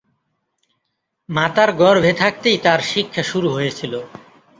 মাতার গর্ভে থাকতেই তার শিক্ষা শুরু হয়েছিল।